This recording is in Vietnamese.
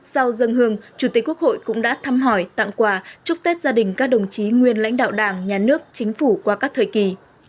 sau dân hương chủ tịch quốc hội cũng đã thăm hỏi tặng quà chúc tết gia đình các đồng chí nguyên lãnh đạo đảng nhà nước chính phủ qua các thời kỳ